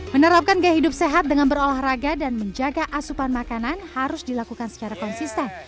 menerapkan gaya hidup sehat dengan berolahraga dan menjaga asupan makanan harus dilakukan secara konsisten